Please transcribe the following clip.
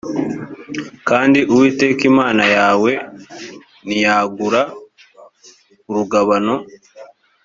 kandi uwiteka imana yawe niyagura urugabano